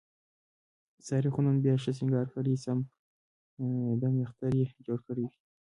سارې خو نن بیا ښه سینګار کړی، سم دمم اختر یې جوړ کړی دی.